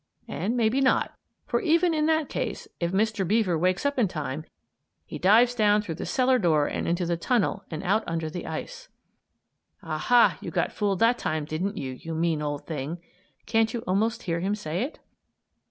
And maybe not; for, even in that case, if Mr. Beaver wakes up in time, he dives down through the cellar door and into the tunnel and out under the ice. "Aha! You got fooled that time, didn't you? You mean old thing!" (Can't you almost hear him say it?)